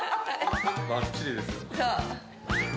ばっちりです。